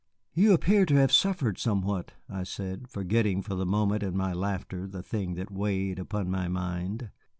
"You appear to have suffered somewhat," I said, forgetting for the moment in my laughter the thing that weighed upon my mind.